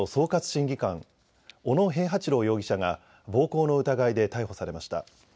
審議官、小野平八郎容疑者が暴行の疑いで逮捕されました。